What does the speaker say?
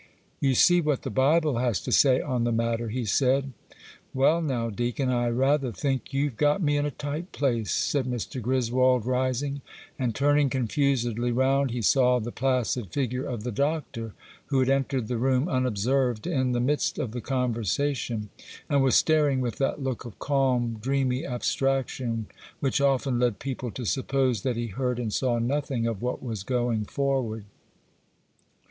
'You see what the Bible has to say on the matter,' he said. 'Well, now, Deacon, I rather think you've got me in a tight place,' said Mr. Griswold, rising; and turning confusedly round, he saw the placid figure of the Doctor, who had entered the room unobserved in the midst of the conversation, and was staring with that look of calm, dreamy abstraction which often led people to suppose that he heard and saw nothing of what was going forward.